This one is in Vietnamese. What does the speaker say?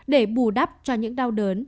để bù đắp cho những đau đớn